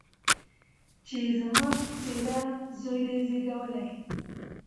چي یې زما په څېره زوی دی زېږولی